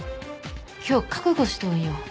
今日覚悟しとうんよ。